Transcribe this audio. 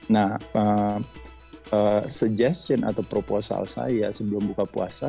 nah suggestion atau proposal saya sebelum buka puasa